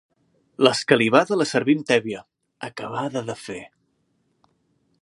L'escalivada la servim tèbia, acabada de fer.